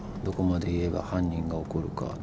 どこまで言えば犯人が怒るか。